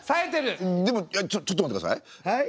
でもちょちょっと待ってください。